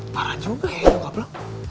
parah juga ya jawab lo